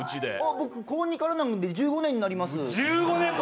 僕、高２からだから１５年になります。